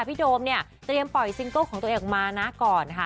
โดมเนี่ยเตรียมปล่อยซิงเกิลของตัวเองออกมานะก่อนค่ะ